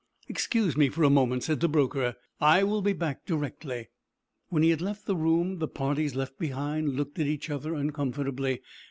"Excuse me for a moment," said the broker. "I will be back directly." When he had left the room, the parties left behind looked at each other uncomfortably.